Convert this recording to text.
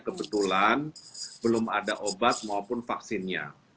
kebetulan belum ada obat maupun vaksinnya